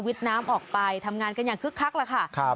วิดน้ำออกไปทำงานกันอย่างคึกคักแหละค่ะครับ